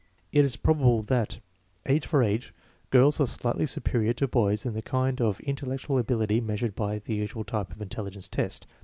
It is probable that, age for age, girls are slightly superior to boys in the kind of intellectual ability measured by the usual type of intelligence test.